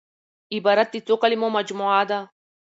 عبارت د څو کليمو مجموعه ده.